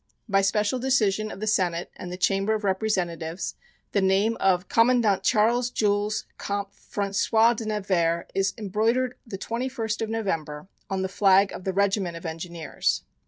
By special decision of the Senate and the Chamber of Representatives the name of Commandant Charles Jules Comte François de Nevers is embroidered the 21st of November, on the flag of the Regiment of Engineers.